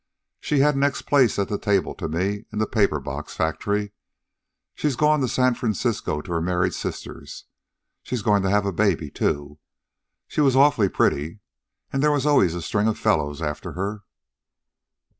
She had next place at the table to me in the paper box factory. She's gone to San Francisco to her married sister's. She's going to have a baby, too. She was awfully pretty, and there was always a string of fellows after her."